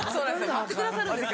待ってくださるんですよ。